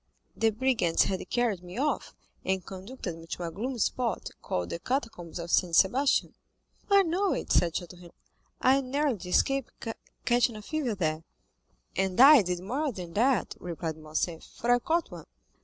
The brigands had carried me off, and conducted me to a gloomy spot, called the Catacombs of Saint Sebastian." "I know it," said Château Renaud; "I narrowly escaped catching a fever there." "And I did more than that," replied Morcerf, "for I caught one.